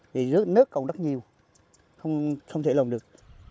thì nước còn rất nhiều không thể dùng được